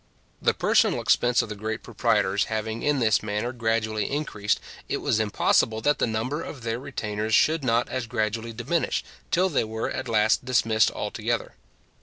The personal expense of the great proprietors having in this manner gradually increased, it was impossible that the number of their retainers should not as gradually diminish, till they were at last dismissed altogether.